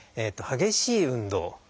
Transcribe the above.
激しい運動